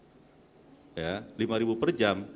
itu sudah harus melakukan kontraplau satu lajur